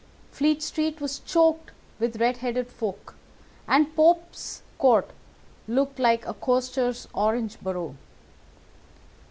Fleet Street was choked with red headed folk, and Pope's Court looked like a coster's orange barrow.